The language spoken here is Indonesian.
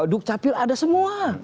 duk capil ada semua